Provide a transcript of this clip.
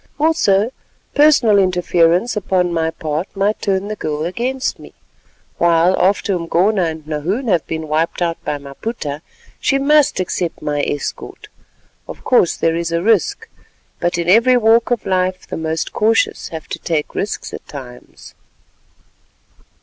Also personal interference upon my part might turn the girl against me; while after Umgona and Nahoon have been wiped out by Maputa, she must accept my escort. Of course there is a risk, but in every walk of life the most cautious have to take risks at times."